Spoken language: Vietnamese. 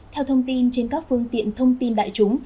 theo thông tin trên các phương tiện thông tin đại chúng